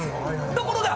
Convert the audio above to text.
ところが。